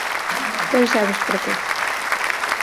Ben sabes por que.